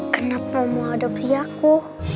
kenapa mau adopsi aku